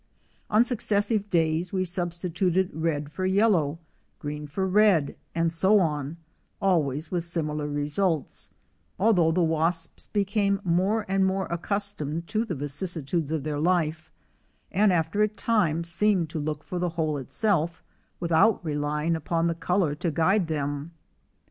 On successive days we substituted red for yellow, green for red, and so on, always with similar results, although the wasps became more and more accustomed to the vicissitudes of their life, and after a time seemed to look for the hole itself without relying upon the color to guide them.